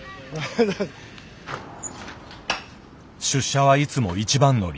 出社はいつも一番乗り。